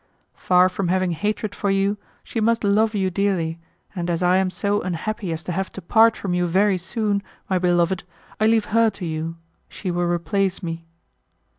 Far from having hatred for you, she must love you dearly, and as I am so unhappy as to have to part from you very soon, my beloved, I leave her to you; she will replace me."